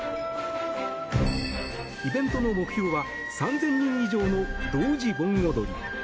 イベントの目標は３０００人以上の同時盆踊り。